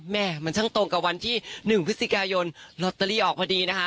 แม่มันช่างตรงกับวันที่๑พฤศจิกายนลอตเตอรี่ออกพอดีนะคะ